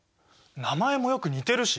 名前もよく似てるし。